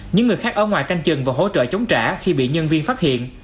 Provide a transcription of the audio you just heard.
những người khác ở ngoài canh chừng và hỗ trợ chống trả khi bị nhân viên phát hiện